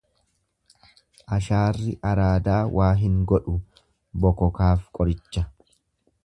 Ashaarri araadaa waa hin godhu bokokaaf qoricha.